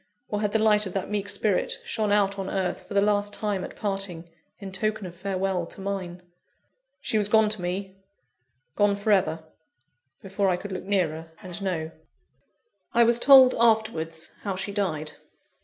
or had the light of that meek spirit shone out on earth, for the last time at parting, in token of farewell to mine? She was gone to me, gone for ever before I could look nearer, and know. I was told, afterwards, how she died.